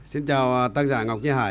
xin chào tác giả ngọc di hải